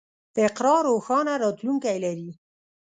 اقرا روښانه راتلونکی لري.